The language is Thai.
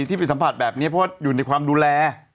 ที่ไปสัมผัสแบบนี้เพราะว่าอยู่ในความดูแล